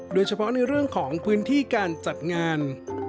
โดยเฉพาะในเรื่องของพื้นที่การจัดงาน